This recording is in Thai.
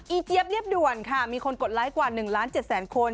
เจี๊ยบเรียบด่วนค่ะมีคนกดไลค์กว่า๑ล้าน๗แสนคน